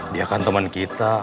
dia kan temen kita